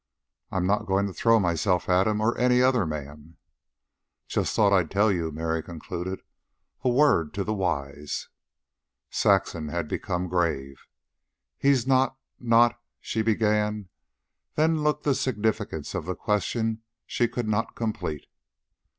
"I'm not going to throw myself at him, or any other man." "Just thought I'd tell you," Mary concluded. "A word to the wise." Saxon had become grave. "He's not... not..." she began, than looked the significance of the question she could not complete.